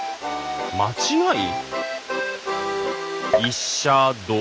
間違い？